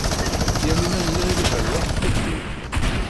Yamina n Yiɣil Ubeṛwaq tifliw.